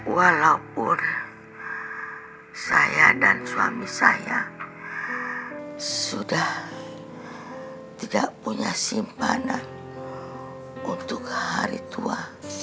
walaupun saya dan suami saya sudah tidak punya simpanan untuk hari tua